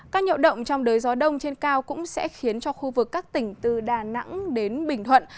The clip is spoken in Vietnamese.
các nhiễu động trong đới gió đông trên cao cũng sẽ khiến cho khu vực các tỉnh từ đà nẵng đến bình thuận